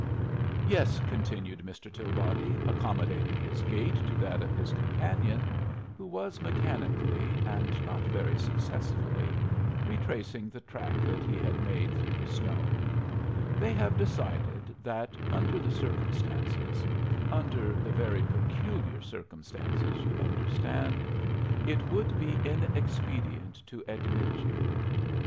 "Yes," continued Mr. Tilbody, accommodating his gait to that of his companion, who was mechanically, and not very successfully, retracing the track that he had made through the snow; "they have decided that, under the circumstances under the very peculiar circumstances, you understand it would be inexpedient to admit you.